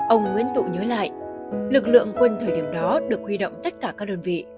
ông nguyễn tụ nhớ lại lực lượng quân thời điểm đó được huy động tất cả các đơn vị